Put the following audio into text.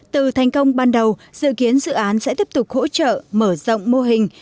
từ thành công ban đầu dự kiến dự án sẽ tiếp tục hỗ trợ mở rộng mô hình